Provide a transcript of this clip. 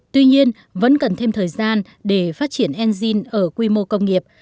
tuy nhiên vẫn cần thêm thời gian để phát triển enzyme ở quy mô công nghiệp